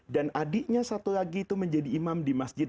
dan adiknya satu lagi itu menjadi imam di masjid